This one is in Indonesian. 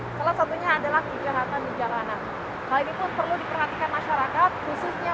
salah satunya adalah kejahatan di jalanan hal itu perlu diperhatikan masyarakat khususnya